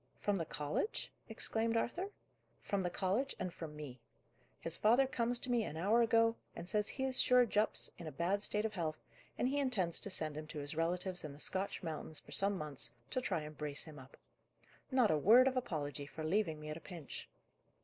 "From the college?" exclaimed Arthur. "From the college, and from me. His father comes to me, an hour ago, and says he is sure Jupp's in a bad state of health, and he intends to send him to his relatives in the Scotch mountains for some months, to try and brace him up. Not a word of apology, for leaving me at a pinch."